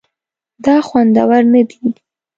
دا خوندور نه دي